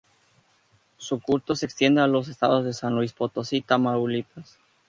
Su culto se extiende a los estados de San Luis Potosí y Tamaulipas.